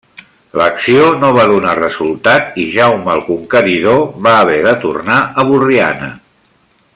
L'acció no va donar resultat i Jaume el Conqueridor va haver de tornar a Borriana.